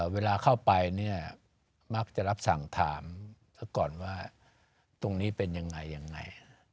เวลาเข้าไปเนี่ยมักจะรับสั่งถามซะก่อนว่าตรงนี้เป็นยังไงยังไง